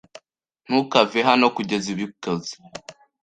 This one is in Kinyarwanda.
Ntukave hano kugeza ubikoze.